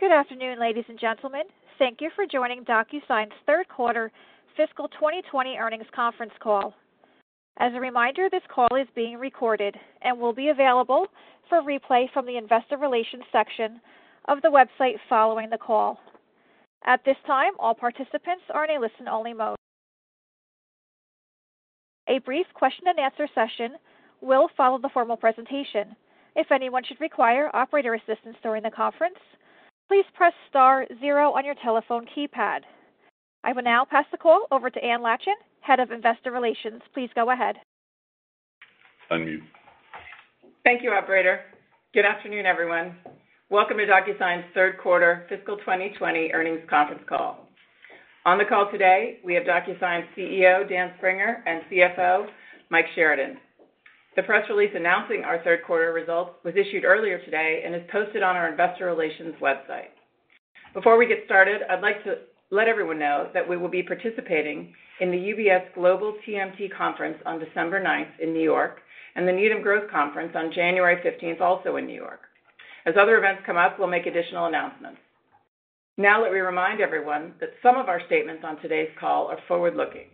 Good afternoon, ladies and gentlemen. Thank you for joining DocuSign's third quarter fiscal 2020 earnings conference call. As a reminder, this call is being recorded and will be available for replay from the investor relations section of the website following the call. At this time, all participants are in a listen-only mode. A brief question and answer session will follow the formal presentation. If anyone should require operator assistance during the conference, please press star zero on your telephone keypad. I will now pass the call over to Annie Leschin, Head of Investor Relations. Please go ahead. Unmute. Thank you, operator. Good afternoon, everyone. Welcome to DocuSign's third quarter fiscal 2020 earnings conference call. On the call today, we have DocuSign CEO, Dan Springer, and CFO, Mike Sheridan. The press release announcing our third quarter results was issued earlier today and is posted on our investor relations website. Before we get started, I'd like to let everyone know that we will be participating in the UBS Global TMT Conference on December ninth in New York, and the Needham Growth Conference on January 15th, also in New York. As other events come up, we'll make additional announcements. Now, let me remind everyone that some of our statements on today's call are forward-looking.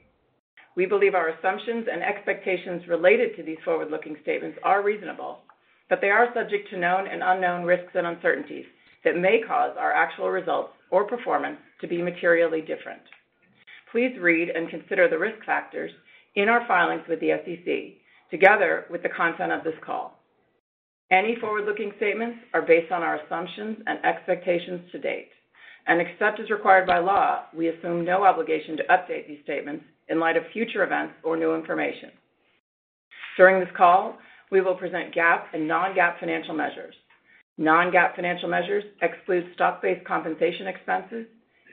We believe our assumptions and expectations related to these forward-looking statements are reasonable, but they are subject to known and unknown risks and uncertainties that may cause our actual results or performance to be materially different. Please read and consider the risk factors in our filings with the SEC, together with the content of this call. Any forward-looking statements are based on our assumptions and expectations to date. Except as required by law, we assume no obligation to update these statements in light of future events or new information. During this call, we will present GAAP and non-GAAP financial measures. Non-GAAP financial measures exclude stock-based compensation expenses,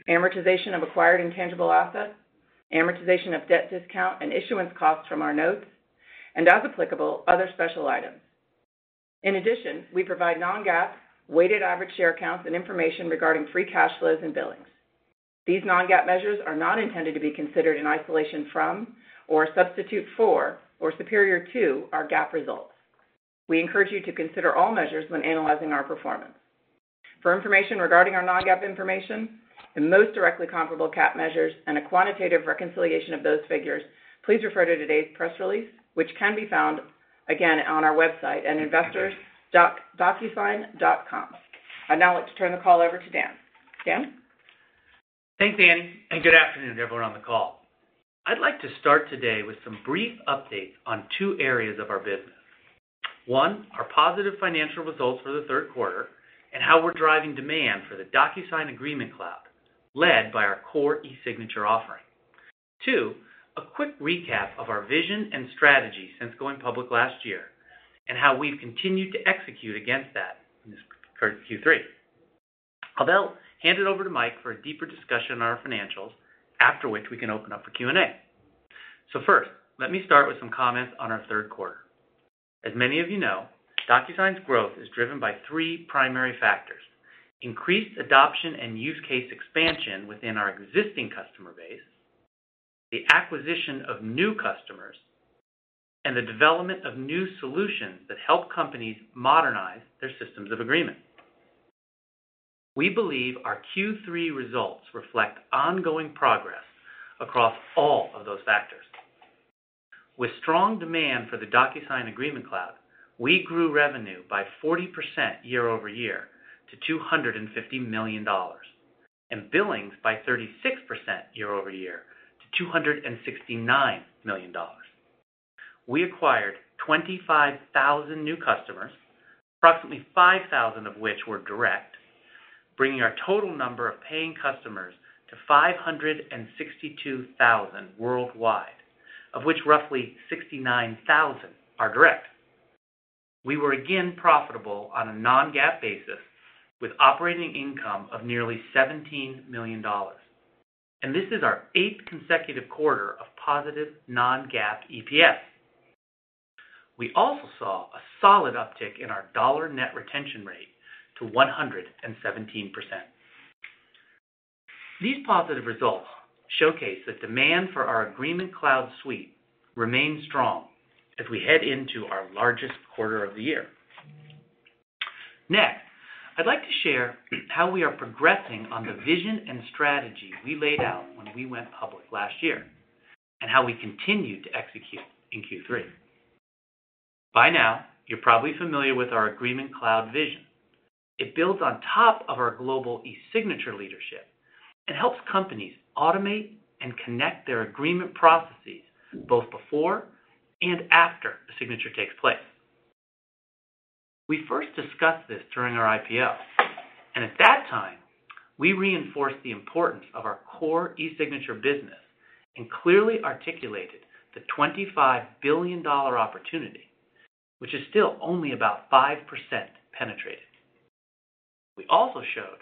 amortization of acquired intangible assets, amortization of debt discount and issuance costs from our notes, and as applicable, other special items. In addition, we provide non-GAAP weighted average share counts and information regarding free cash flows and billings. These non-GAAP measures are not intended to be considered in isolation from, or a substitute for, or superior to, our GAAP results. We encourage you to consider all measures when analyzing our performance. For information regarding our non-GAAP information, the most directly comparable GAAP measures, and a quantitative reconciliation of those figures, please refer to today's press release, which can be found, again, on our website at investors.docusign.com. I'd now like to turn the call over to Dan. Dan? Thanks, Annie, and good afternoon everyone on the call. I'd like to start today with some brief updates on two areas of our business. One, our positive financial results for the third quarter and how we're driving demand for the DocuSign Agreement Cloud, led by our core eSignature offering. Two, a quick recap of our vision and strategy since going public last year, and how we've continued to execute against that in this current Q3. I'll now hand it over to Mike for a deeper discussion on our financials, after which we can open up for Q&A. First, let me start with some comments on our third quarter. As many of you know, DocuSign's growth is driven by three primary factors, increased adoption and use case expansion within our existing customer base, the acquisition of new customers, and the development of new solutions that help companies modernize their systems of agreement. We believe our Q3 results reflect ongoing progress across all of those factors. With strong demand for the DocuSign Agreement Cloud, we grew revenue by 40% year-over-year to $250 million, and billings by 36% year-over-year to $269 million. We acquired 25,000 new customers, approximately 5,000 of which were direct, bringing our total number of paying customers to 562,000 worldwide, of which roughly 69,000 are direct. We were again profitable on a non-GAAP basis with operating income of nearly $17 million. This is our eighth consecutive quarter of positive non-GAAP EPS. We also saw a solid uptick in our dollar net retention rate to 117%. These positive results showcase that demand for our Agreement Cloud suite remains strong as we head into our largest quarter of the year. Next, I'd like to share how we are progressing on the vision and strategy we laid out when we went public last year, and how we continued to execute in Q3. By now, you're probably familiar with our Agreement Cloud vision. It builds on top of our global eSignature leadership and helps companies automate and connect their agreement processes both before and after a signature takes place. We first discussed this during our IPO, and at that time, we reinforced the importance of our core eSignature business and clearly articulated the $25 billion opportunity, which is still only about 5% penetrated. We also showed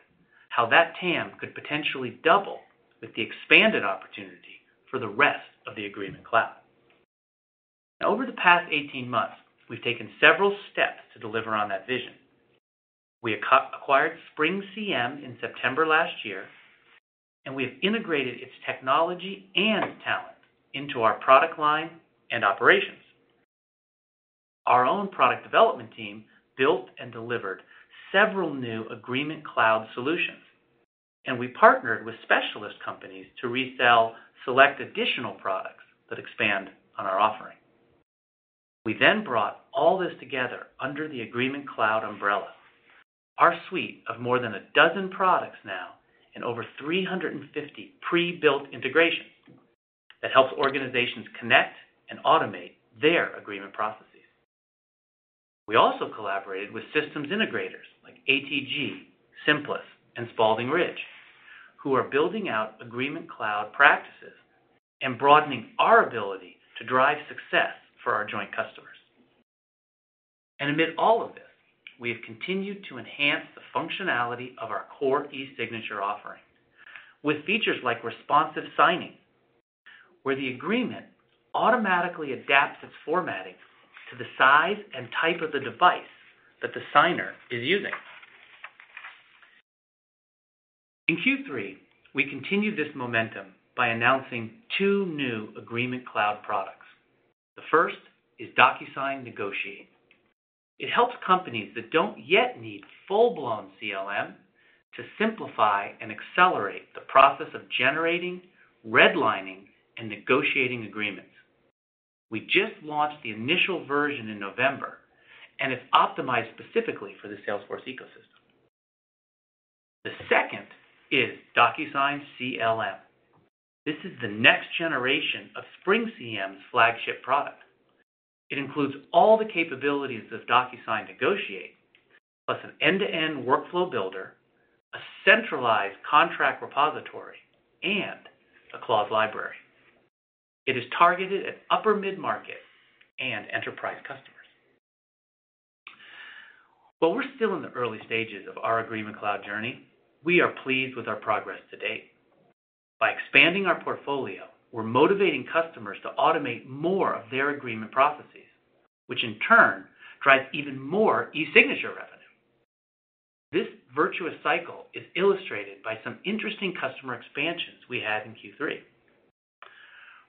how that TAM could potentially double with the expanded opportunity for the rest of the Agreement Cloud. Over the past 18 months, we've taken several steps to deliver on that vision. We acquired SpringCM in September last year. We have integrated its technology and talent into our product line and operations. Our own product development team built and delivered several new Agreement Cloud solutions, and we partnered with specialist companies to resell select additional products that expand on our offering. We brought all this together under the Agreement Cloud umbrella, our suite of more than a dozen products now and over 350 pre-built integrations that helps organizations connect and automate their agreement processes. We also collaborated with systems integrators like ATG, Simplus, and Spaulding Ridge, who are building out Agreement Cloud practices and broadening our ability to drive success for our joint customers. Amid all of this, we have continued to enhance the functionality of our core eSignature offering with features like responsive signing, where the agreement automatically adapts its formatting to the size and type of the device that the signer is using. In Q3, we continued this momentum by announcing two new Agreement Cloud products. The first is DocuSign Negotiate. It helps companies that don't yet need full-blown CLM to simplify and accelerate the process of generating, redlining, and negotiating agreements. We just launched the initial version in November, and it's optimized specifically for the Salesforce ecosystem. The second is DocuSign CLM. This is the next generation of SpringCM's flagship product. It includes all the capabilities of DocuSign Negotiate, plus an end-to-end workflow builder, a centralized contract repository, and a clause library. It is targeted at upper mid-market and enterprise customers. We're still in the early stages of our Agreement Cloud journey. We are pleased with our progress to date. By expanding our portfolio, we're motivating customers to automate more of their agreement processes, which in turn drives even more eSignature revenue. This virtuous cycle is illustrated by some interesting customer expansions we had in Q3.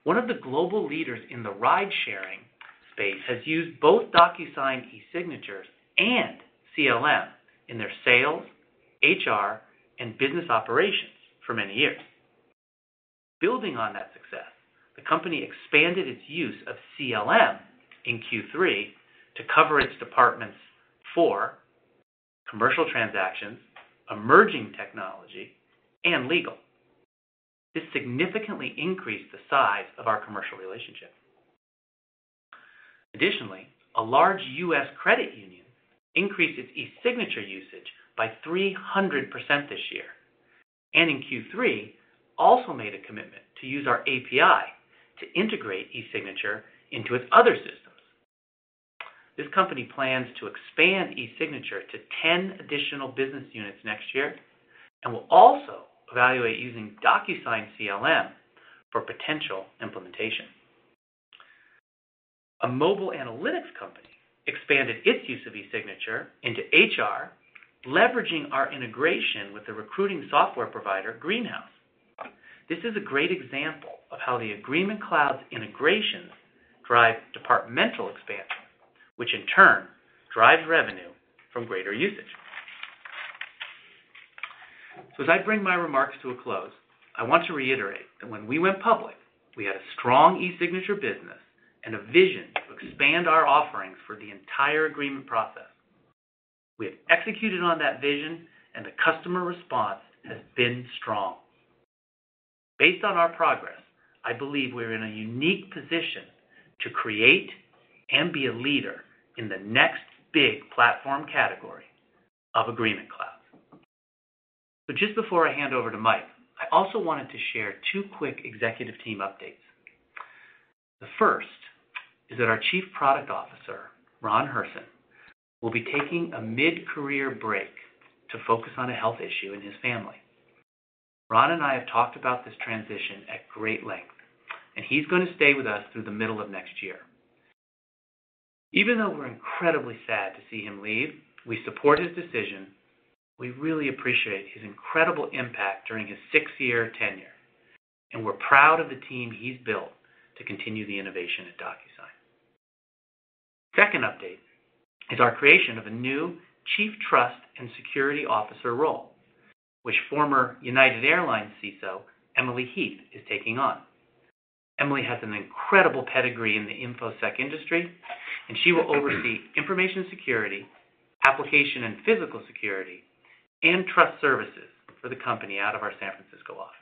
One of the global leaders in the ride-sharing space has used both DocuSign eSignatures and CLM in their sales, HR, and business operations for many years. Building on that success, the company expanded its use of CLM in Q3 to cover its departments for commercial transactions, emerging technology, and legal. This significantly increased the size of our commercial relationship. Additionally, a large U.S. credit union increased its eSignature usage by 300% this year. In Q3, also made a commitment to use our API to integrate eSignature into its other systems. This company plans to expand eSignature to 10 additional business units next year and will also evaluate using DocuSign CLM for potential implementation. A mobile analytics company expanded its use of eSignature into HR, leveraging our integration with the recruiting software provider, Greenhouse. This is a great example of how the Agreement Cloud's integrations drive departmental expansion, which in turn drives revenue from greater usage. As I bring my remarks to a close, I want to reiterate that when we went public, we had a strong eSignature business and a vision to expand our offerings for the entire agreement process. We have executed on that vision, and the customer response has been strong. Based on our progress, I believe we're in a unique position to create and be a leader in the next big platform category of Agreement Cloud. Just before I hand over to Mike, I also wanted to share two quick executive team updates. The first is that our Chief Product Officer, Ron Hirson, will be taking a mid-career break to focus on a health issue in his family. Ron and I have talked about this transition at great length, and he's going to stay with us through the middle of next year. Even though we're incredibly sad to see him leave, we support his decision. We really appreciate his incredible impact during his six-year tenure, and we're proud of the team he's built to continue the innovation at DocuSign. Second update is our creation of a new Chief Trust and Security Officer role, which former United Airlines CISO, Emily Heath, is taking on. Emily has an incredible pedigree in the info-sec industry, and she will oversee information security, application and physical security, and trust services for the company out of our San Francisco office.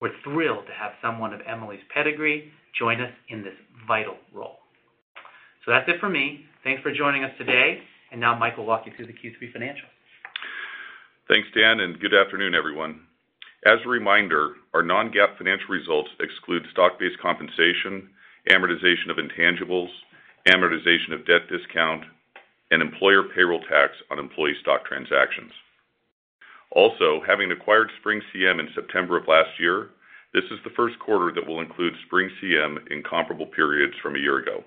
We're thrilled to have someone of Emily's pedigree join us in this vital role. That's it for me. Thanks for joining us today. Now Mike will walk you through the Q3 financials. Thanks, Dan. Good afternoon, everyone. As a reminder, our non-GAAP financial results exclude stock-based compensation, amortization of intangibles, amortization of debt discount, and employer payroll tax on employee stock transactions. Also, having acquired SpringCM in September of last year, this is the first quarter that we'll include SpringCM in comparable periods from a year ago.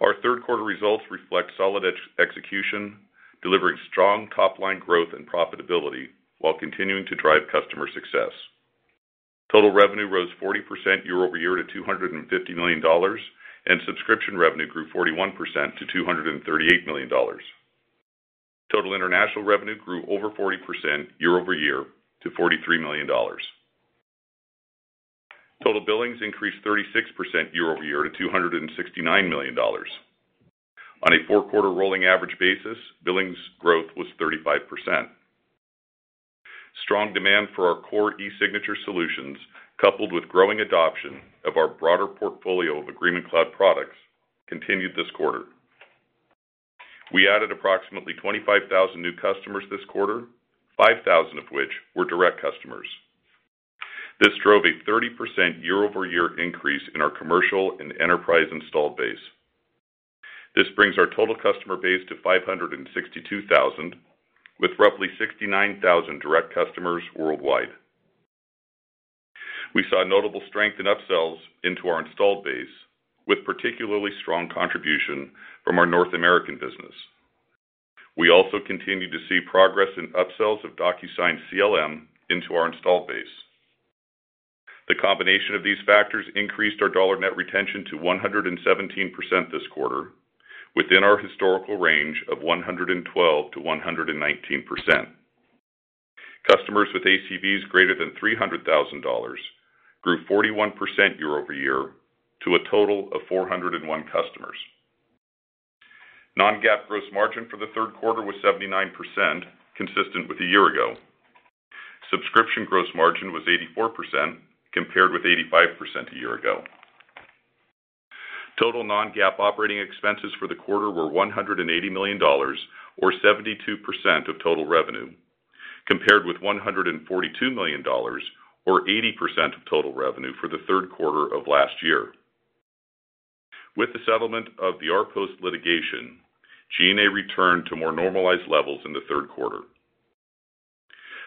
Our third quarter results reflect solid execution, delivering strong top-line growth and profitability while continuing to drive customer success. Total revenue rose 40% year-over-year to $250 million, and subscription revenue grew 41% to $238 million. Total international revenue grew over 40% year-over-year to $43 million. Total billings increased 36% year-over-year to $269 million. On a four-quarter rolling average basis, billings growth was 35%. Strong demand for our core e-signature solutions, coupled with growing adoption of our broader portfolio of Agreement Cloud products, continued this quarter. We added approximately 25,000 new customers this quarter, 5,000 of which were direct customers. This drove a 30% year-over-year increase in our commercial and enterprise installed base. This brings our total customer base to 562,000, with roughly 69,000 direct customers worldwide. We saw notable strength in up-sells into our installed base, with particularly strong contribution from our North American business. We also continued to see progress in up-sells of DocuSign CLM into our installed base. The combination of these factors increased our dollar net retention to 117% this quarter, within our historical range of 112%-119%. Customers with ACVs greater than $300,000 grew 41% year-over-year to a total of 401 customers. Non-GAAP gross margin for the third quarter was 79%, consistent with a year ago. Subscription gross margin was 84%, compared with 85% a year ago. Total non-GAAP operating expenses for the quarter were $180 million, or 72% of total revenue, compared with $142 million, or 80% of total revenue for the third quarter of last year. With the settlement of the RPost litigation, G&A returned to more normalized levels in the third quarter.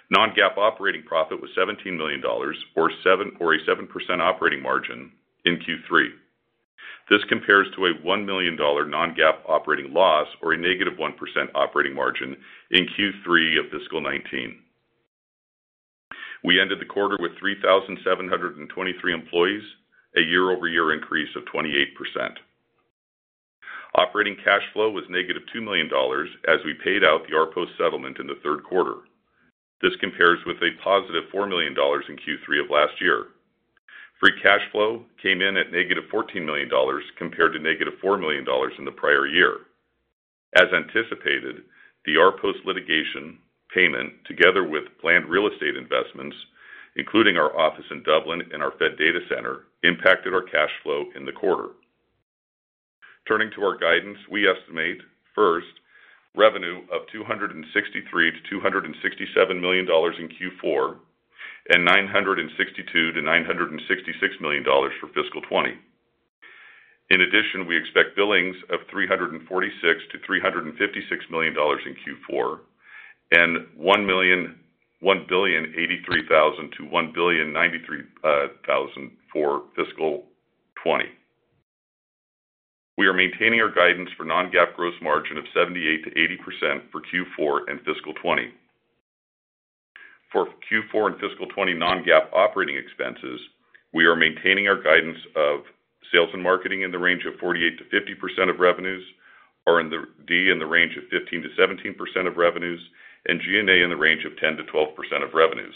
Non-GAAP operating profit was $17 million, or a 7% operating margin in Q3. This compares to a $1 million non-GAAP operating loss or a negative 1% operating margin in Q3 of fiscal 2019. We ended the quarter with 3,723 employees, a year-over-year increase of 28%. Operating cash flow was negative $2 million as we paid out the RPost settlement in the third quarter. This compares with a positive $4 million in Q3 of last year. Free cash flow came in at negative $14 million compared to negative $4 million in the prior year. As anticipated, the RPost litigation payment, together with planned real estate investments, including our office in Dublin and our Fed data center, impacted our cash flow in the quarter. Turning to our guidance, we estimate first revenue of $263 million-$267 million in Q4 and $962 million-$966 million for fiscal 2020. We expect billings of $346 million-$356 million in Q4 and $1,000,083,000-$1,000,093,000 for fiscal 2020. We are maintaining our guidance for non-GAAP gross margin of 78%-80% for Q4 and fiscal 2020. For Q4 and fiscal 2020 non-GAAP operating expenses, we are maintaining our guidance of sales and marketing in the range of 48%-50% of revenues, R&D in the range of 15%-17% of revenues, and G&A in the range of 10%-12% of revenues.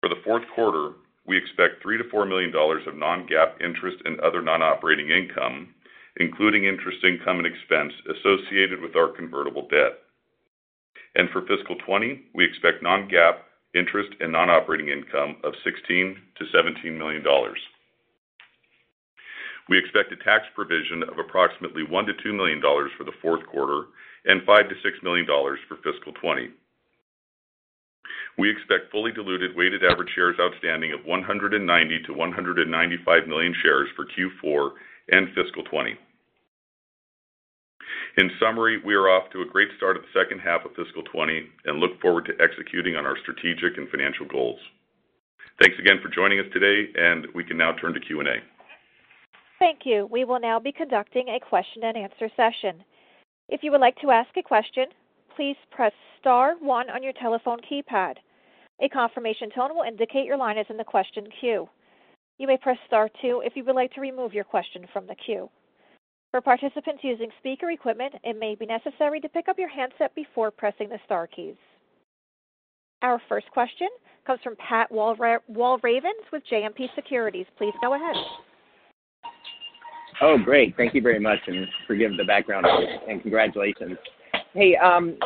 For the fourth quarter, we expect $3 million-$4 million of non-GAAP interest and other non-operating income, including interest income and expense associated with our convertible debt. For fiscal 2020, we expect non-GAAP interest and non-operating income of $16 million-$17 million. We expect a tax provision of approximately $1 million-$2 million for the fourth quarter and $5 million-$6 million for fiscal 2020. We expect fully diluted weighted average shares outstanding of 190 million-195 million shares for Q4 and fiscal 2020. In summary, we are off to a great start of the second half of fiscal 2020 and look forward to executing on our strategic and financial goals. Thanks again for joining us today, and we can now turn to Q&A. Thank you. We will now be conducting a question and answer session. If you would like to ask a question, please press star one on your telephone keypad. A confirmation tone will indicate your line is in the question queue. You may press star two if you would like to remove your question from the queue. For participants using speaker equipment, it may be necessary to pick up your handset before pressing the star keys. Our first question comes from Pat Walravens with JMP Securities. Please go ahead. Oh, great. Thank you very much, and forgive the background noise, and congratulations. Hey, Dan,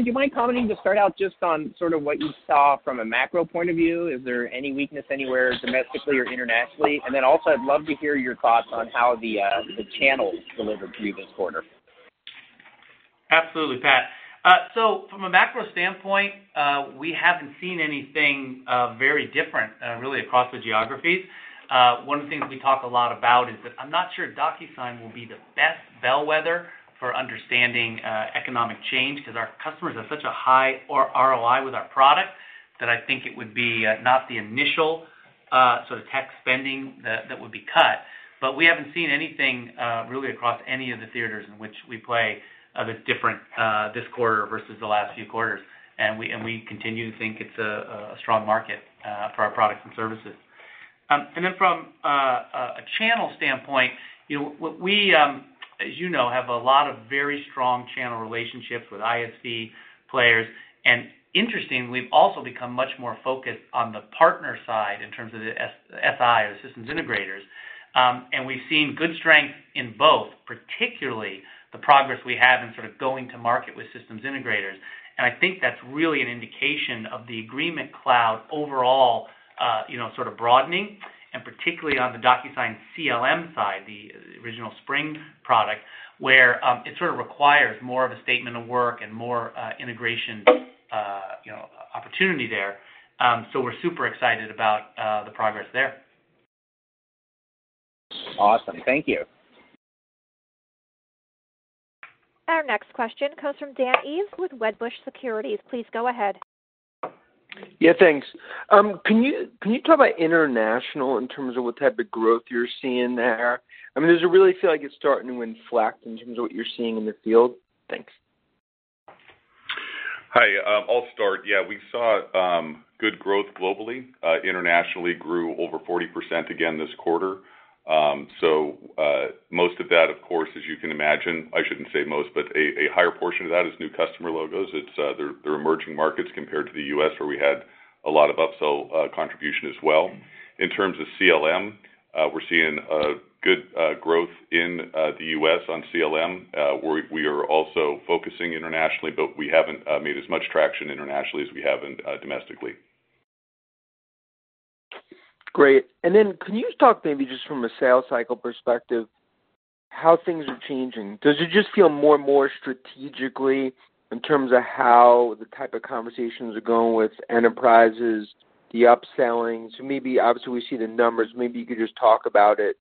do you mind commenting to start out just on sort of what you saw from a macro point of view? Is there any weakness anywhere domestically or internationally? Then also, I'd love to hear your thoughts on how the channels delivered for you this quarter. Absolutely, Pat. From a macro standpoint, we haven't seen anything very different, really, across the geographies. One of the things we talk a lot about is that I'm not sure DocuSign will be the best bellwether for understanding economic change, because our customers have such a high ROI with our product that I think it would be not the initial tech spending that would be cut. We haven't seen anything really across any of the theaters in which we play that's different this quarter versus the last few quarters. We continue to think it's a strong market for our products and services. From a channel standpoint, we, as you know, have a lot of very strong channel relationships with ISV players. Interestingly, we've also become much more focused on the partner side in terms of the SI, or the systems integrators. We've seen good strength in both, particularly the progress we have in sort of going to market with systems integrators. I think that's really an indication of the Agreement Cloud overall sort of broadening, and particularly on the DocuSign CLM side, the original Spring product, where it sort of requires more of a statement of work and more integration opportunity there. We're super excited about the progress there. Awesome. Thank you. Our next question comes from Dan Ives with Wedbush Securities. Please go ahead. Yeah, thanks. Can you talk about international in terms of what type of growth you're seeing there? I mean, does it really feel like it's starting to inflect in terms of what you're seeing in the field? Thanks. Hi, I'll start. Yeah, we saw good growth globally. Internationally grew over 40% again this quarter. Most of that, of course, as you can imagine, I shouldn't say most, but a higher portion of that is new customer logos. They're emerging markets compared to the U.S., where we had a lot of upsell contribution as well. In terms of CLM, we're seeing good growth in the U.S. on CLM. We are also focusing internationally, but we haven't made as much traction internationally as we have domestically. Great. Then can you talk maybe just from a sales cycle perspective, how things are changing? Does it just feel more and more strategically in terms of how the type of conversations are going with enterprises, the upselling? Maybe, obviously, we see the numbers. Maybe you could just talk about it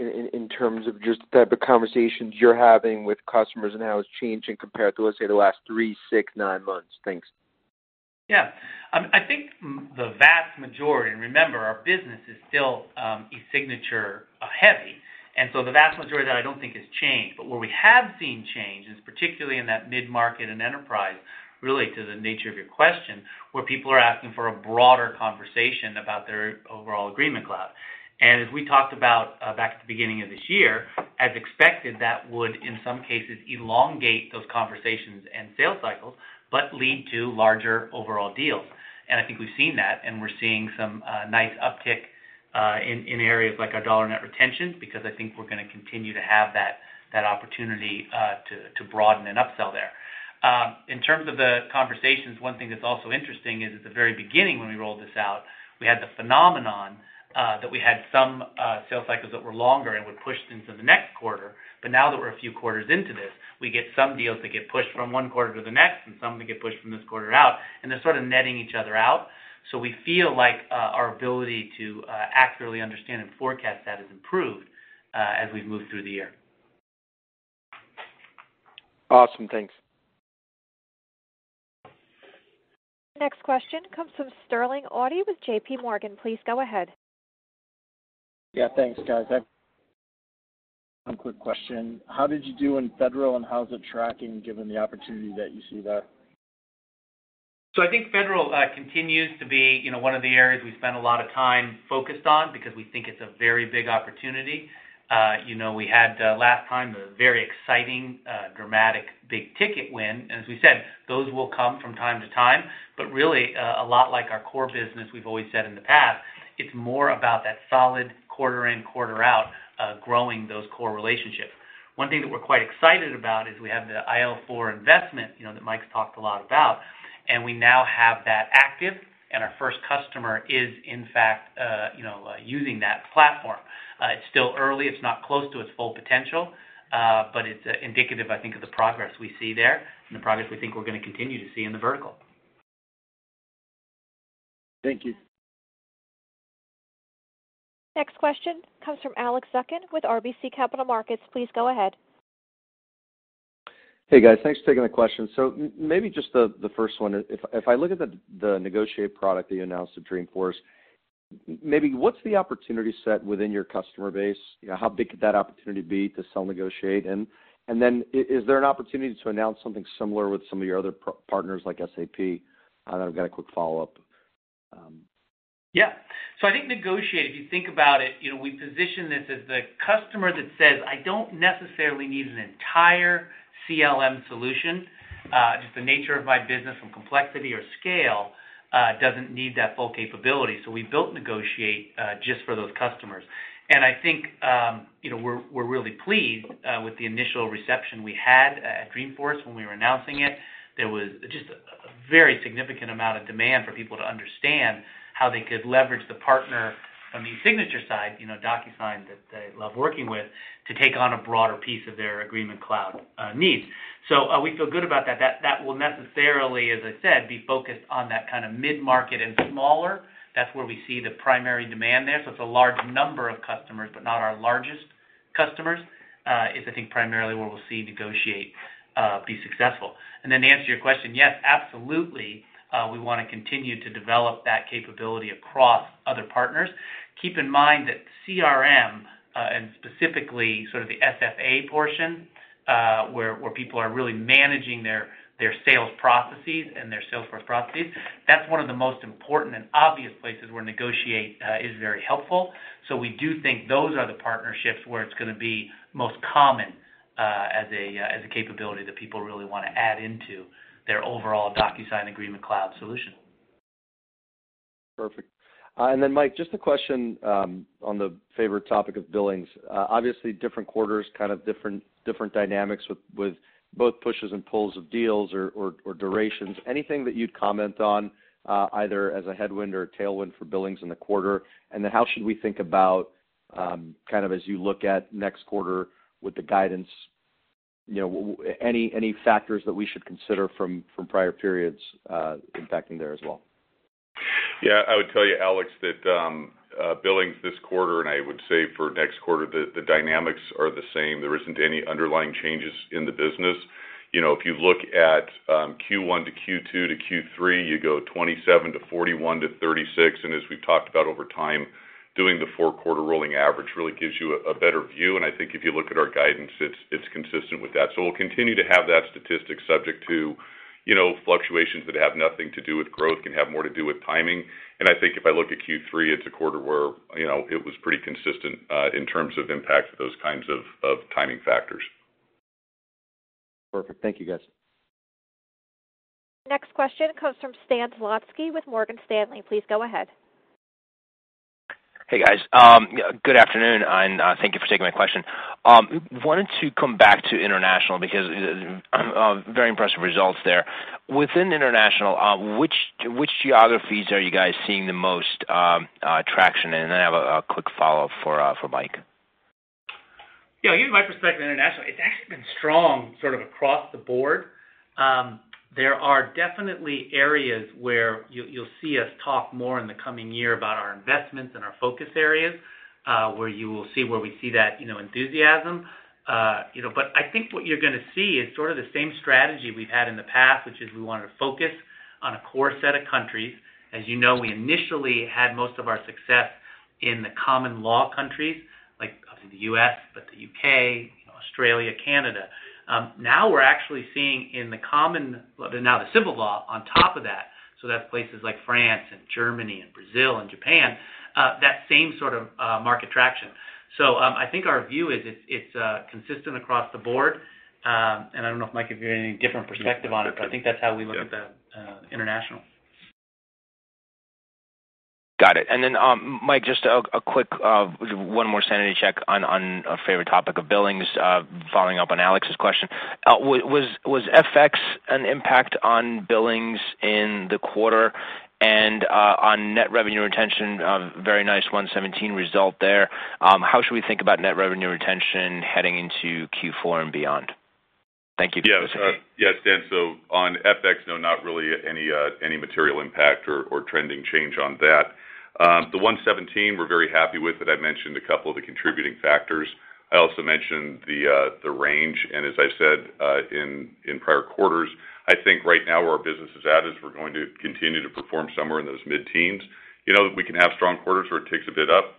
in terms of just the type of conversations you're having with customers and how it's changing compared to, let's say, the last three, six, nine months. Thanks. I think the vast majority, and remember, our business is still eSignature heavy, and so the vast majority of that I don't think has changed. Where we have seen change is particularly in that mid-market and enterprise, really to the nature of your question, where people are asking for a broader conversation about their overall Agreement Cloud. As we talked about back at the beginning of this year, as expected, that would, in some cases, elongate those conversations and sales cycles, but lead to larger overall deals. I think we've seen that, and we're seeing some nice uptick in areas like our dollar net retention, because I think we're going to continue to have that opportunity to broaden and upsell there. In terms of the conversations, one thing that's also interesting is at the very beginning, when we rolled this out, we had the phenomenon that we had some sales cycles that were longer and would push into the next quarter. Now that we're a few quarters into this, we get some deals that get pushed from one quarter to the next, and some that get pushed from this quarter out, and they're sort of netting each other out. We feel like our ability to accurately understand and forecast that has improved as we've moved through the year. Awesome. Thanks. Next question comes from Sterling Auty with JPMorgan. Please go ahead. Yeah, thanks, guys. I have one quick question. How did you do in Federal, and how is it tracking given the opportunity that you see there? I think Federal continues to be one of the areas we've spent a lot of time focused on because we think it's a very big opportunity. We had last time a very exciting, dramatic, big-ticket win. As we said, those will come from time to time. Really, a lot like our core business, we've always said in the past, it's more about that solid quarter in, quarter out, growing those core relationships. One thing that we're quite excited about is we have the IL4 investment that Mike's talked a lot about, and we now have that active, and our first customer is, in fact, using that platform. It's still early. It's not close to its full potential, but it's indicative, I think, of the progress we see there and the progress we think we're going to continue to see in the vertical. Thank you. Next question comes from Alex Zukin with RBC Capital Markets. Please go ahead. Hey, guys. Thanks for taking the question. Maybe just the first one. If I look at the Negotiate product that you announced at Dreamforce, maybe what's the opportunity set within your customer base? How big could that opportunity be to sell Negotiate? Is there an opportunity to announce something similar with some of your other partners like SAP? I've got a quick follow-up. Yeah. I think DocuSign Negotiate, if you think about it, we position this as the customer that says, "I don't necessarily need an entire CLM solution. Just the nature of my business from complexity or scale doesn't need that full capability." We built DocuSign Negotiate just for those customers. I think we're really pleased with the initial reception we had at Dreamforce when we were announcing it. There was just a very significant amount of demand for people to understand how they could leverage the partner from the signature side, DocuSign, that they love working with, to take on a broader piece of their DocuSign Agreement Cloud needs. We feel good about that. That will necessarily, as I said, be focused on that kind of mid-market and smaller. That's where we see the primary demand there. It's a large number of customers, but not our largest customers, is I think primarily where we'll see Negotiate be successful. To answer your question, yes, absolutely, we want to continue to develop that capability across other partners. Keep in mind that CRM, and specifically sort of the SFA portion, where people are really managing their sales processes and their Salesforce processes, that's one of the most important and obvious places where Negotiate is very helpful. We do think those are the partnerships where it's going to be most common, as a capability that people really want to add into their overall DocuSign Agreement Cloud solution. Perfect. Mike, just a question on the favorite topic of billings. Obviously, different quarters, kind of different dynamics with both pushes and pulls of deals or durations. Anything that you'd comment on, either as a headwind or a tailwind for billings in the quarter? How should we think about, as you look at next quarter with the guidance, any factors that we should consider from prior periods impacting there as well? I would tell you, Alex, that billings this quarter, I would say for next quarter, the dynamics are the same. There isn't any underlying changes in the business. If you look at Q1 to Q2 to Q3, you go 27 to 41 to 36, as we've talked about over time, doing the four-quarter rolling average really gives you a better view, I think if you look at our guidance, it's consistent with that. We'll continue to have that statistic subject to fluctuations that have nothing to do with growth, can have more to do with timing. I think if I look at Q3, it's a quarter where it was pretty consistent, in terms of impact of those kinds of timing factors. Perfect. Thank you, guys. Next question comes from Stan Zlotsky with Morgan Stanley. Please go ahead. Hey guys, good afternoon. Thank you for taking my question. Wanted to come back to international because very impressive results there. Within international, which geographies are you guys seeing the most traction in? I have a quick follow-up for Mike. Yeah, you know my perspective on international, it's actually been strong across the board. There are definitely areas where you'll see us talk more in the coming year about our investments and our focus areas, where you will see where we see that enthusiasm. But I think what you're gonna see is sort of the same strategy we've had in the past, which is we want to focus on a core set of countries. As you know, we initially had most of our success in the common law countries, like obviously the U.S., but the U.K., Australia, Canada. Now we're actually seeing in the civil law on top of that, so that's places like France and Germany and Brazil and Japan, that same sort of market traction. I think our view is it's consistent across the board. I don't know, Mike, if you have any different perspective on it, but I think that's how we look at the international. Got it. Mike, just a quick one more sanity check on our favorite topic of billings, following up on Alex's question. Was FX an impact on billings in the quarter and on net revenue retention? Very nice 117 result there. How should we think about net revenue retention heading into Q4 and beyond? Thank you. Stan, on FX, no, not really any material impact or trending change on that. The 117 we're very happy with. I've mentioned a couple of the contributing factors. I also mentioned the range. As I said in prior quarters, I think right now where our business is at is we're going to continue to perform somewhere in those mid-teens. We can have strong quarters where it takes a bit up,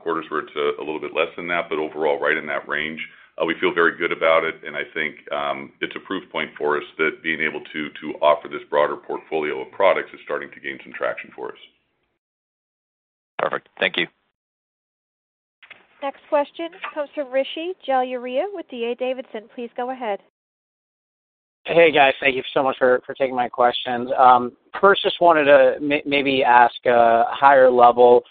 quarters where it's a little bit less than that, overall, right in that range. We feel very good about it. I think it's a proof point for us that being able to offer this broader portfolio of products is starting to gain some traction for us. Perfect. Thank you. Next question goes to Rishi Jaluria with D.A. Davidson. Please go ahead. Hey guys, thank you so much for taking my questions. First, just wanted to maybe ask a higher level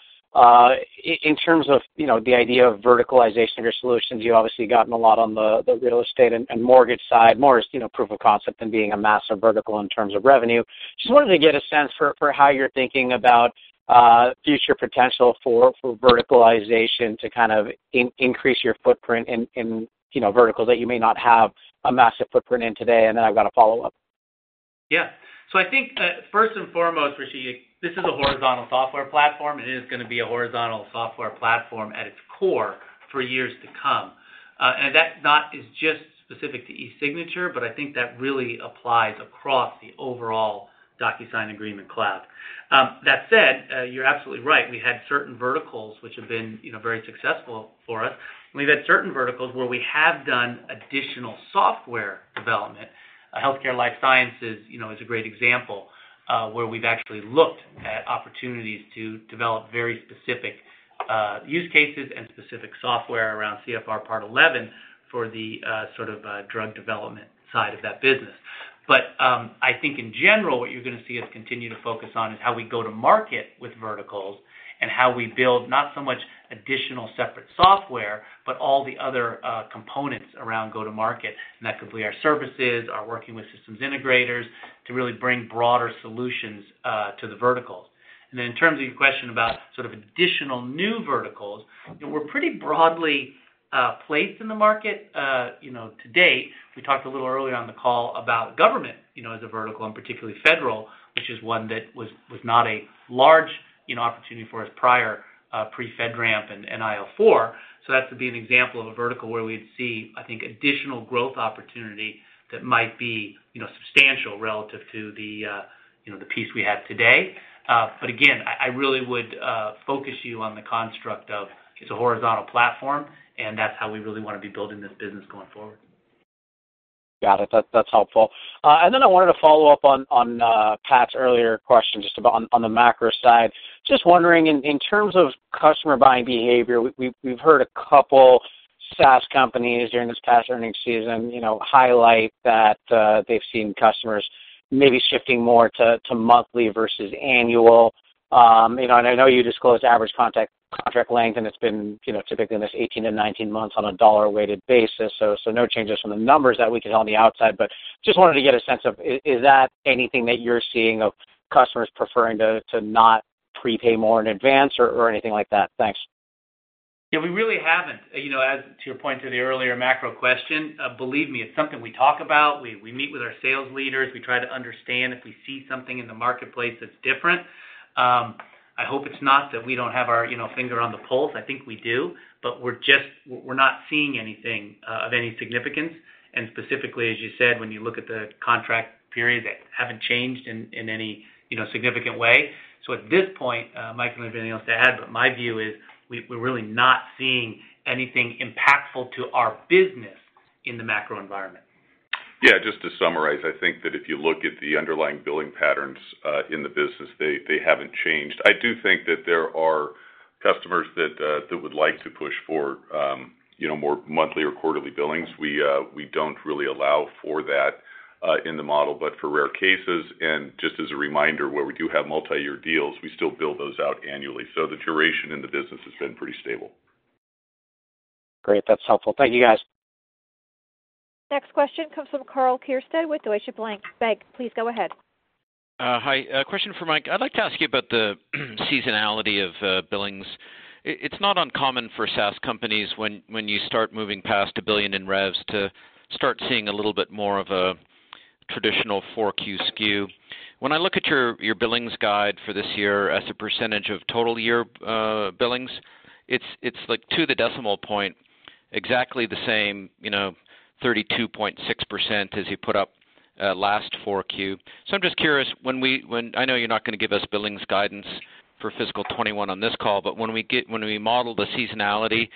in terms of the idea of verticalization of your solutions. You've obviously gotten a lot on the real estate and mortgage side, more as proof of concept than being a massive vertical in terms of revenue. Just wanted to get a sense for how you're thinking about future potential for verticalization to kind of increase your footprint in verticals that you may not have a massive footprint in today, and then I've got a follow-up. I think first and foremost, Rishi, this is a horizontal software platform, it is gonna be a horizontal software platform at its core for years to come. That not is just specific to eSignature, but I think that really applies across the overall DocuSign Agreement Cloud. That said, you're absolutely right. We had certain verticals which have been very successful for us, and we've had certain verticals where we have done additional software development. Healthcare life sciences is a great example, where we've actually looked at opportunities to develop very specific use cases and specific software around CFR Part 11 for the sort of drug development side of that business. I think in general, what you're gonna see us continue to focus on is how we go to market with verticals and how we build not so much additional separate software, but all the other components around go-to-market. That could be our services, our working with systems integrators to really bring broader solutions to the verticals. Then in terms of your question about sort of additional new verticals, we're pretty broadly placed in the market. To date, we talked a little earlier on the call about government as a vertical, and particularly federal, which is one that was not a large opportunity for us prior pre-FedRAMP and IL4. That would be an example of a vertical where we'd see, I think, additional growth opportunity that might be substantial relative to the piece we have today. Again, I really would focus you on the construct of it's a horizontal platform, and that's how we really want to be building this business going forward. Got it. That's helpful. I wanted to follow up on Pat's earlier question, just about on the macro side. Just wondering, in terms of customer buying behavior, we've heard a couple SaaS companies during this past earnings season, highlight that they've seen customers maybe shifting more to monthly versus annual. I know you disclose average contract length, and it's been typically in this 18-19 months on a dollar-weighted basis, so no changes from the numbers that we could tell on the outside. Just wanted to get a sense of, is that anything that you're seeing of customers preferring to not prepay more in advance or anything like that? Thanks. Yeah, we really haven't. As to your point to the earlier macro question, believe me, it's something we talk about. We meet with our sales leaders. We try to understand if we see something in the marketplace that's different. I hope it's not that we don't have our finger on the pulse. I think we do, but we're not seeing anything of any significance. Specifically, as you said, when you look at the contract periods, they haven't changed in any significant way. At this point, Mike, I don't have anything else to add, but my view is we're really not seeing anything impactful to our business in the macro environment. Yeah, just to summarize, I think that if you look at the underlying billing patterns in the business, they haven't changed. I do think that there are customers that would like to push for more monthly or quarterly billings. We don't really allow for that in the model, but for rare cases, and just as a reminder, where we do have multi-year deals, we still bill those out annually. The duration in the business has been pretty stable. Great. That's helpful. Thank you, guys. Next question comes from Karl Keirstead with Deutsche Bank. Thanks. Please go ahead. Hi. A question for Mike. I'd like to ask you about the seasonality of billings. It is not uncommon for SaaS companies, when you start moving past $1 billion in revs, to start seeing a little bit more of a traditional 4Q skew. When I look at your billings guide for this year as a percentage of total year billings, it is like to the decimal point exactly the same, 32.6% as you put up last 4Q. I am just curious, I know you are not going to give us billings guidance for fiscal '21 on this call, but when we model the seasonality,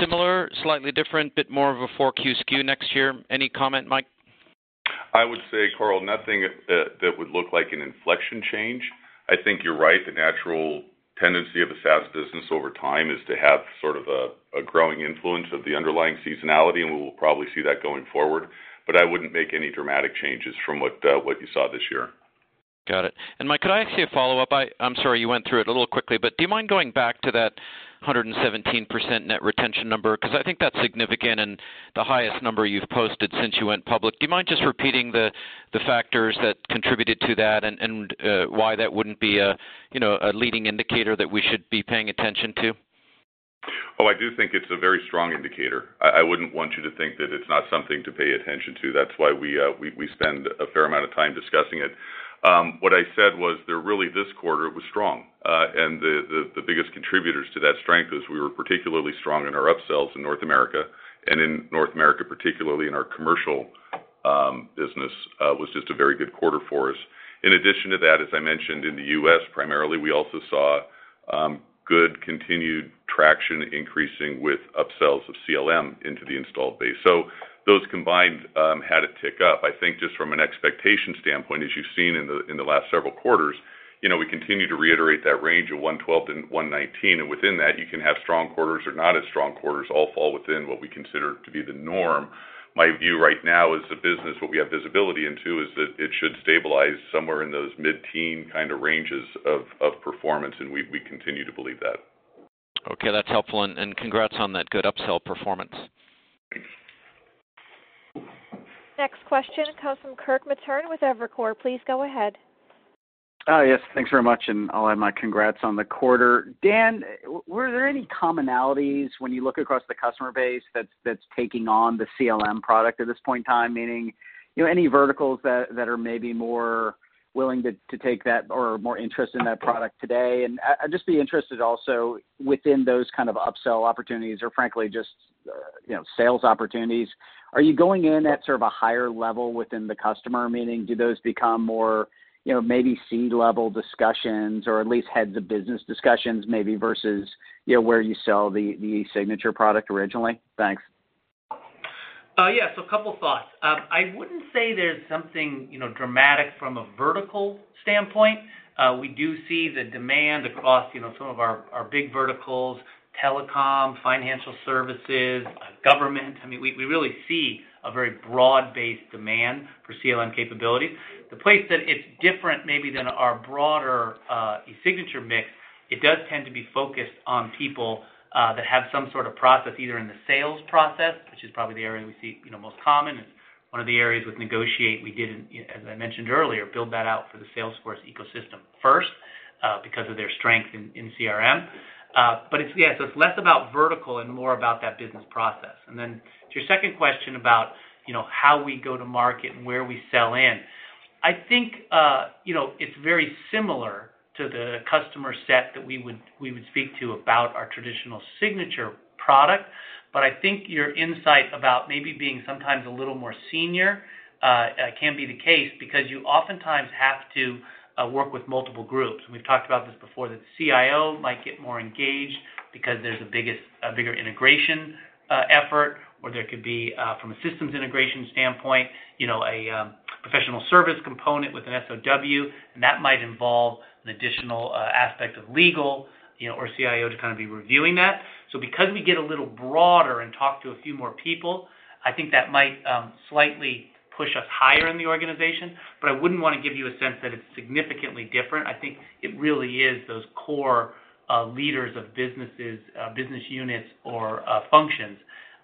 similar, slightly different, bit more of a 4Q skew next year? Any comment, Mike? I would say, Karl, nothing that would look like an inflection change. I think you're right. The natural tendency of a SaaS business over time is to have sort of a growing influence of the underlying seasonality, and we will probably see that going forward. But I wouldn't make any dramatic changes from what you saw this year. Got it. Mike, could I ask you a follow-up? I'm sorry you went through it a little quickly, but do you mind going back to that 117% net retention number? Because I think that's significant and the highest number you've posted since you went public. Do you mind just repeating the factors that contributed to that and why that wouldn't be a leading indicator that we should be paying attention to? I do think it's a very strong indicator. I wouldn't want you to think that it's not something to pay attention to. That's why we spend a fair amount of time discussing it. What I said was that really this quarter, it was strong. The biggest contributors to that strength is we were particularly strong in our upsells in North America, and in North America particularly in our commercial business, was just a very good quarter for us. In addition to that, as I mentioned, in the U.S. primarily, we also saw good continued traction increasing with upsells of CLM into the installed base. Those combined had it tick up. I think just from an expectation standpoint, as you've seen in the last several quarters, we continue to reiterate that range of 112-119, and within that, you can have strong quarters or not as strong quarters, all fall within what we consider to be the norm. My view right now is the business, what we have visibility into is that it should stabilize somewhere in those mid-teen kind of ranges of performance, and we continue to believe that. Okay. That's helpful, and congrats on that good upsell performance. Next question comes from Kirk Materne with Evercore. Please go ahead. Yes. Thanks very much, and I'll add my congrats on the quarter. Dan, were there any commonalities when you look across the customer base that's taking on the CLM product at this point in time? Meaning, any verticals that are maybe more willing to take that or more interest in that product today? I'd just be interested also within those kind of upsell opportunities or frankly, just sales opportunities, are you going in at sort of a higher level within the customer? Meaning, do those become more maybe C-level discussions or at least heads of business discussions maybe versus where you sell the eSignature product originally? Thanks. Yes. A couple thoughts. I wouldn't say there's something dramatic from a vertical standpoint. We do see the demand across some of our big verticals, telecom, financial services, government. We really see a very broad-based demand for CLM capabilities. The place that it's different maybe than our broader eSignature mix, it does tend to be focused on people that have some sort of process, either in the sales process, which is probably the area we see most common. It's one of the areas with Negotiate, we did, as I mentioned earlier, build that out for the Salesforce ecosystem first because of their strength in CRM. It's, yes, it's less about vertical and more about that business process. To your second question about how we go to market and where we sell in. I think it's very similar to the customer set that we would speak to about our traditional signature product. I think your insight about maybe being sometimes a little more senior can be the case because you oftentimes have to work with multiple groups. We've talked about this before, that the CIO might get more engaged because there's a bigger integration effort, or there could be, from a systems integration standpoint, a professional service component with an SOW, and that might involve an additional aspect of legal or CIO to be reviewing that. Because we get a little broader and talk to a few more people, I think that might slightly push us higher in the organization. I wouldn't want to give you a sense that it's significantly different. I think it really is those core leaders of businesses, business units, or functions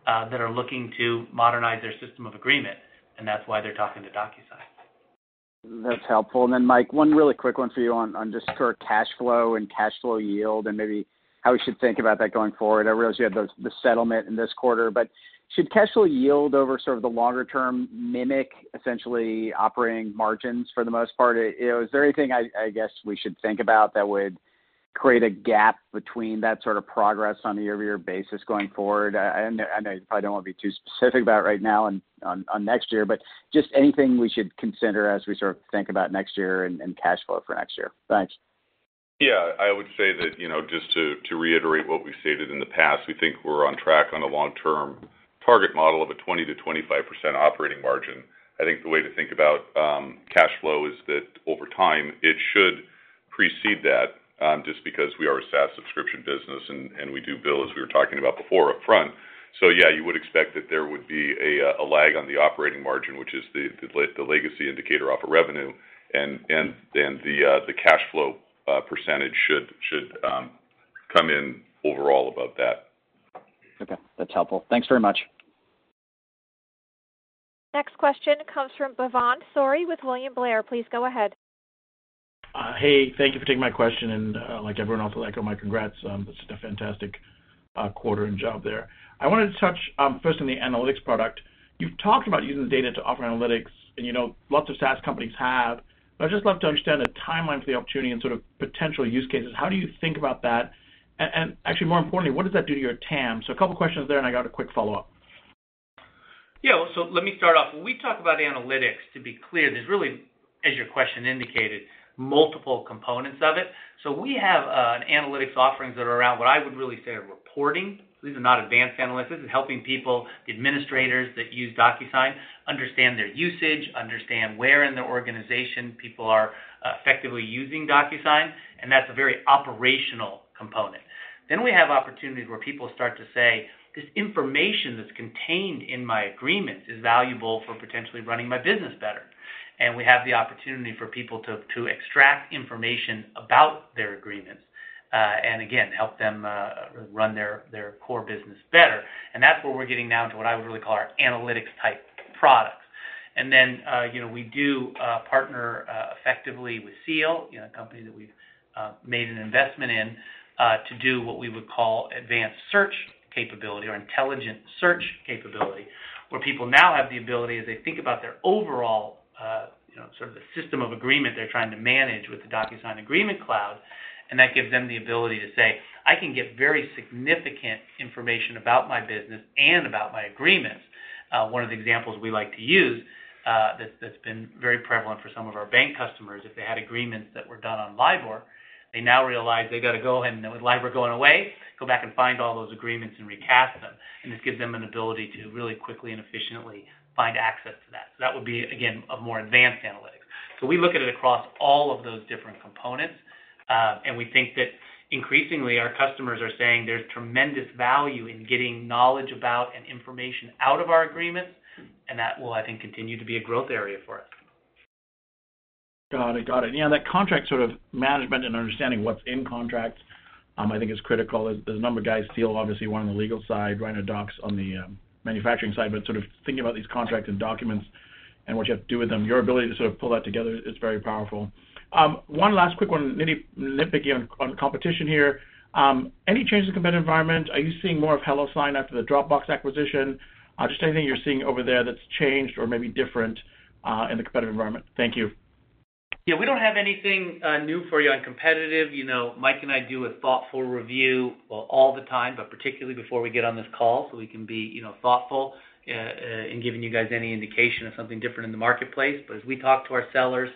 that are looking to modernize their system of agreement, and that's why they're talking to DocuSign. That's helpful. Then Mike, one really quick one for you on just for cash flow and cash flow yield and maybe how we should think about that going forward. I realize you had the settlement in this quarter, should cash flow yield over the longer term mimic essentially operating margins for the most part? Is there anything, I guess, we should think about that would create a gap between that sort of progress on a year-over-year basis going forward? I know you probably don't want to be too specific about right now on next year, just anything we should consider as we start to think about next year and cash flow for next year. Thanks. I would say that, just to reiterate what we've stated in the past, we think we're on track on a long-term target model of a 20%-25% operating margin. I think the way to think about cash flow is that over time, it should precede that, just because we are a SaaS subscription business, and we do bill, as we were talking about before, upfront. You would expect that there would be a lag on the operating margin, which is the legacy indicator off of revenue. Then the cash flow percentage should come in overall above that. Okay. That's helpful. Thanks very much. Next question comes from Bhavan Suri with William Blair. Please go ahead. Hey, thank you for taking my question, and like everyone else, I'll echo my congrats on just a fantastic quarter and job there. I wanted to touch first on the analytics product. You've talked about using the data to offer analytics, and lots of SaaS companies have, but I'd just love to understand the timeline for the opportunity and potential use cases. How do you think about that? Actually more importantly, what does that do to your TAM? A couple questions there, and I got a quick follow-up. Yeah. Let me start off. When we talk about analytics, to be clear, there's really, as your question indicated, multiple components of it. We have analytics offerings that are around what I would really say are reporting. These are not advanced analytics. This is helping people, the administrators that use DocuSign, understand their usage, understand where in their organization people are effectively using DocuSign, and that's a very operational component. We have opportunities where people start to say, "This information that's contained in my agreements is valuable for potentially running my business better." We have the opportunity for people to extract information about their agreements. Again, help them run their core business better. That's where we're getting now into what I would really call our analytics type products. We do partner effectively with Seal, a company that we've made an investment in, to do what we would call advanced search capability or intelligent search capability, where people now have the ability, as they think about their overall system of agreement they're trying to manage with the DocuSign Agreement Cloud. That gives them the ability to say, "I can get very significant information about my business and about my agreements." One of the examples we like to use that's been very prevalent for some of our bank customers, if they had agreements that were done on LIBOR, they now realize they got to go ahead, and with LIBOR going away, go back and find all those agreements and recast them. This gives them an ability to really quickly and efficiently find access to that. That would be, again, a more advanced analytic. We look at it across all of those different components. We think that increasingly our customers are saying there's tremendous value in getting knowledge about and information out of our agreements, and that will, I think, continue to be a growth area for us. Got it. Yeah, that contract management and understanding what's in contracts I think is critical. There's a number of guys, Seal, obviously one on the legal side, RhinoDox on the manufacturing side, but thinking about these contracts and documents and what you have to do with them, your ability to pull that together is very powerful. One last quick one, maybe nitpicky on competition here. Any changes in competitive environment? Are you seeing more of HelloSign after the Dropbox acquisition? Just anything you're seeing over there that's changed or maybe different in the competitive environment? Thank you. Yeah, we don't have anything new for you on competitive. Mike and I do a thoughtful review, well, all the time, but particularly before we get on this call so we can be thoughtful in giving you guys any indication of something different in the marketplace. As we talk to our sellers,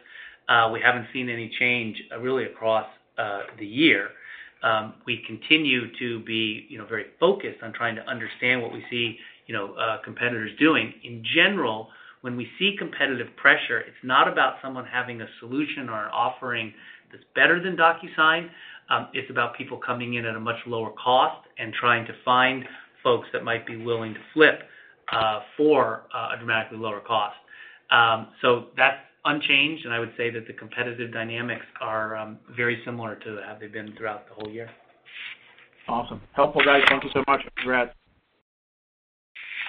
we haven't seen any change really across the year. We continue to be very focused on trying to understand what we see competitors doing. In general, when we see competitive pressure, it's not about someone having a solution or an offering that's better than DocuSign. It's about people coming in at a much lower cost and trying to find folks that might be willing to flip for a dramatically lower cost. That's unchanged, and I would say that the competitive dynamics are very similar to how they've been throughout the whole year. Awesome. Helpful, guys. Thank you so much. Congrats.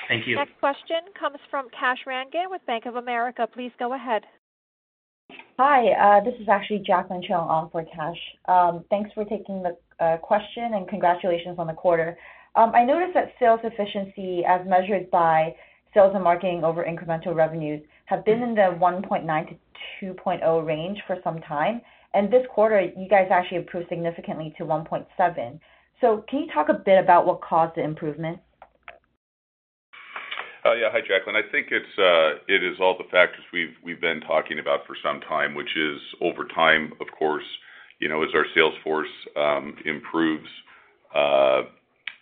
Thank you. Next question comes from Kash Rangan with Bank of America. Please go ahead. Hi. This is actually Jacqueline Cheng on for Kash. Thanks for taking the question, and congratulations on the quarter. I noticed that sales efficiency, as measured by sales and marketing over incremental revenues, have been in the 1.9-2.0 range for some time. This quarter, you guys actually improved significantly to 1.7. Can you talk a bit about what caused the improvement? Yeah. Hi, Jacqueline. I think it is all the factors we've been talking about for some time, which is over time, of course, as our sales force improves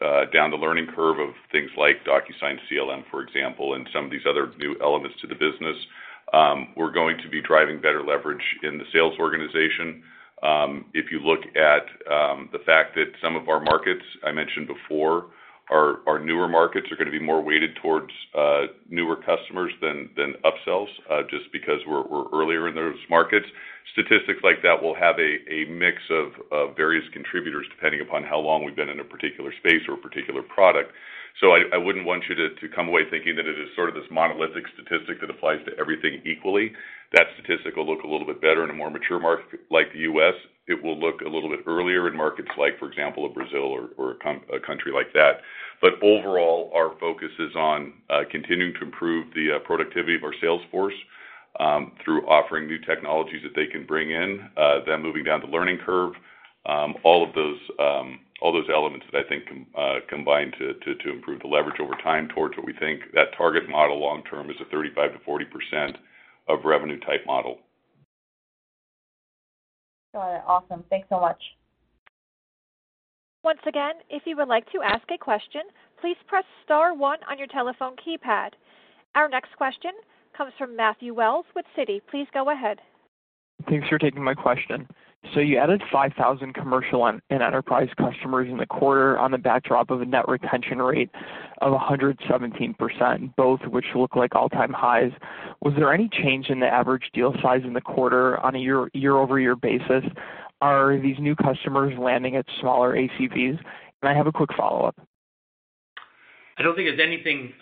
down the learning curve of things like DocuSign CLM, for example, and some of these other new elements to the business, we're going to be driving better leverage in the sales organization. If you look at the fact that some of our markets, I mentioned before, our newer markets are going to be more weighted towards newer customers than upsells, just because we're earlier in those markets. Statistics like that will have a mix of various contributors depending upon how long we've been in a particular space or a particular product. I wouldn't want you to come away thinking that it is sort of this monolithic statistic that applies to everything equally. That statistic will look a little bit better in a more mature market like the U.S. It will look a little bit earlier in markets like, for example, a Brazil or a country like that. Overall, our focus is on continuing to improve the productivity of our sales force through offering new technologies that they can bring in, them moving down the learning curve. All of those elements that I think combine to improve the leverage over time towards what we think that target model long term is a 35%-40% of revenue type model. Got it. Awesome. Thanks so much. Once again, if you would like to ask a question, please press star one on your telephone keypad. Our next question comes from Walter Pritchard with Citi. Please go ahead. Thanks for taking my question. You added 5,000 commercial and enterprise customers in the quarter on the backdrop of a net retention rate of 117%, both of which look like all-time highs. Was there any change in the average deal size in the quarter on a year-over-year basis? Are these new customers landing at smaller ACVs? I have a quick follow-up. I don't think there's anything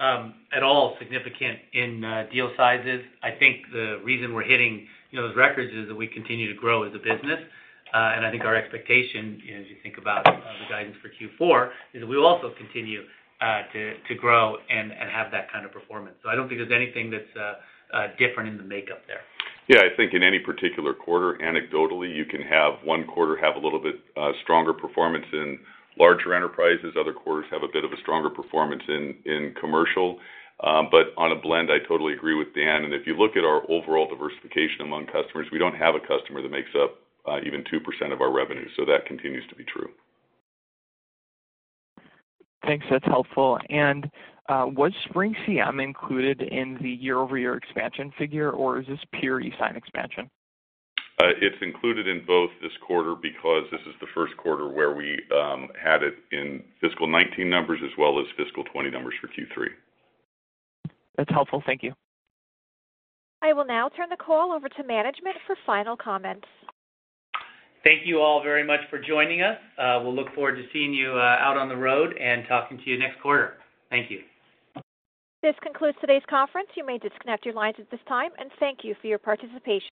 at all significant in deal sizes. I think the reason we're hitting those records is that we continue to grow as a business. I think our expectation, as you think about the guidance for Q4, is that we will also continue to grow and have that kind of performance. I don't think there's anything that's different in the makeup there. Yeah, I think in any particular quarter, anecdotally, you can have one quarter have a little bit stronger performance in larger enterprises, other quarters have a bit of a stronger performance in commercial. On a blend, I totally agree with Dan. If you look at our overall diversification among customers, we don't have a customer that makes up even 2% of our revenue. That continues to be true. Thanks. That's helpful. Was SpringCM included in the year-over-year expansion figure, or is this pure eSign expansion? It's included in both this quarter because this is the first quarter where we had it in fiscal 2019 numbers as well as fiscal 2020 numbers for Q3. That's helpful. Thank you. I will now turn the call over to management for final comments. Thank you all very much for joining us. We'll look forward to seeing you out on the road and talking to you next quarter. Thank you. This concludes today's conference. You may disconnect your lines at this time, and thank you for your participation.